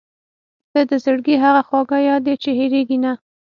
• ته د زړګي هغه خواږه یاد یې چې هېرېږي نه.